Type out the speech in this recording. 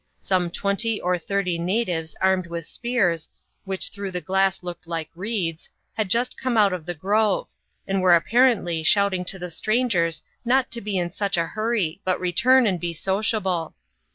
Some twenty or thirty natives armed with spears, which through the glass looked like reeds, had just come out of the grove, and were apparently shouting to the strangers not to be in such a hurry, but return and be sociable.